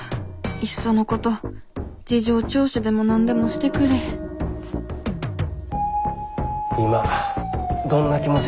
いっそのこと事情聴取でも何でもしてくれ今どんな気持ちですか？